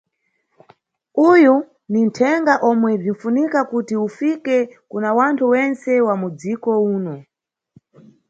Uyu ninʼthenga omwe bzinʼfunika kuti ufike kuna wanthu wentse wa mudzi uno.